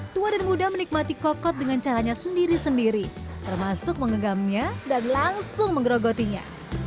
tua dan muda menikmati kokot dengan caranya sendiri sendiri termasuk mengegamnya dan langsung menggerogotinya